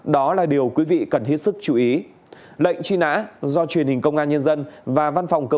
đó là điều quý vị cần hết sức chú ý lệnh truy nã do truyền hình công an nhân dân và văn phòng cơ